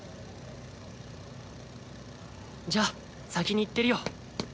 じゃあ先に行ってるよ。